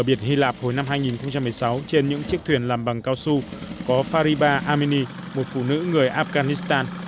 biển hy lạp hồi năm hai nghìn một mươi sáu trên những chiếc thuyền làm bằng cao su có fariba ammeni một phụ nữ người afghanistan